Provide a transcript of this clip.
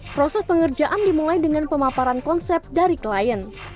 proses pengerjaan dimulai dengan pemaparan konsep dari klien